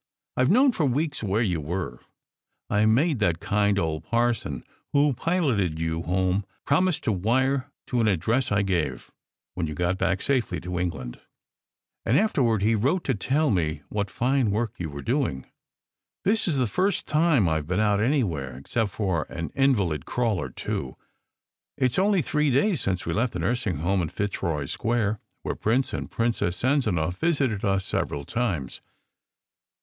I ve known for weeks where you were. I made that kind old parson who piloted you home promise to wire to an ad dress I gave, when you got safely back to England. And afterward he wrote to tell me what fine work you were doing. This is the first time I ve been out anywhere except for an invalid crawl or two. It s only three days since we left the nursing home in Fitzroy Square, where Prince and Princess Sanzanow visited us several times.